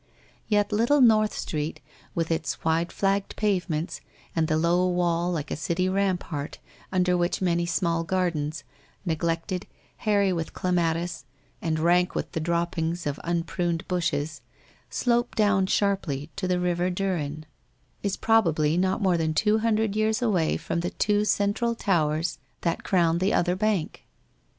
Yet little North Street, with its wide flagged pavements and the low wall like a city rampart under which many small gardens, neglected, hairy with clematis, and rank with the droppings of un pruned bushes, slope down sharply to the river Duren, is 266 WHITE ROSE OF WEARY LEAF probably not more than two hundred years away from the two central towers that crown the other bank.